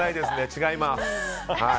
違います。